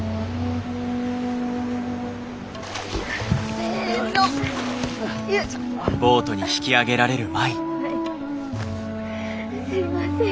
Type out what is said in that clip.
先輩すいません。